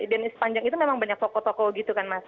dan sepanjang itu memang banyak toko toko gitu kan mas